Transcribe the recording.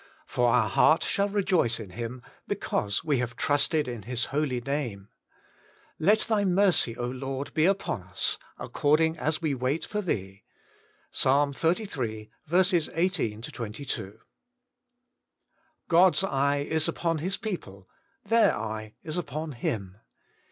For our heart shall rejoice in Him, Because we have trusted in His holy name. Let thy mercy, Lord, be upon us, According as we wait for thee.' — Ps. xxxiii. 18 22 (kt.). GOD'S eye is upon His people : their eye is upon Him.